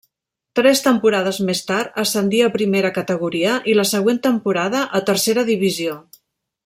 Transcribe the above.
Tres temporades més tard ascendí a Primera Categoria i la següent temporada a Tercera Divisió.